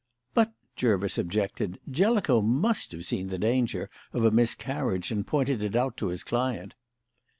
"But," Jervis objected, "Jellicoe must have seen the danger of a miscarriage and pointed it out to his client."